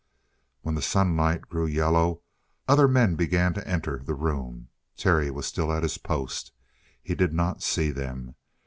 When the sunlight grew yellow, other men began to enter the room. Terry was still at his post. He did not see them.